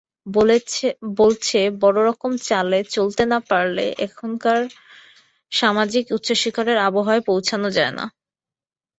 বলছে, বড়োরকম চালে চলতে না পারলে এখানকার সামাজিক উচ্চশিখরের আবহাওয়ায় পৌঁছনো যায় না।